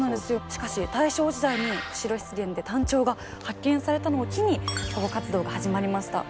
しかし大正時代に釧路湿原でタンチョウが発見されたのを機に保護活動が始まりました。